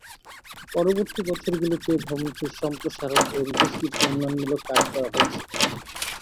পরবর্তী বছরগুলোতে, ভবনটির সম্প্রসারণ এবং বেশ কিছু উন্নয়নমূলক কাজ করা হয়েছিল।